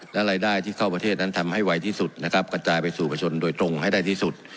และรายได้ที่เข้าประเทศนั้นทำให้ไวที่สุดนะครับกระจายไปสู่ประชนโดยตรงให้ได้ที่สุด